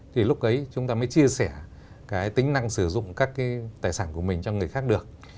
thì lúc ấy chúng ta mới chia sẻ cái tính năng sử dụng các cái tài sản của mình cho người khác được